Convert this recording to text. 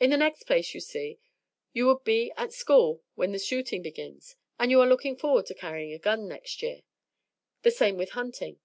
In the next place, you see, you would be at school when the shooting begins, and you are looking forward to carrying a gun next year. The same with hunting.